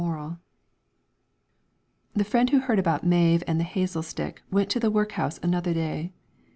MORAL The friend who heard about Maive and the hazel stick went to the workhouse another day.